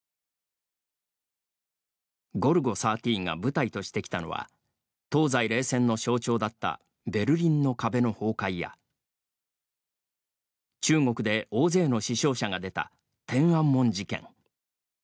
「ゴルゴ１３」が舞台としてきたのは東西冷戦の象徴だったベルリンの壁の崩壊や中国で大勢の死傷者が出た天安門事件。